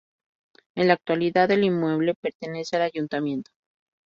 En la actualidad el inmueble pertenece al Ayuntamiento.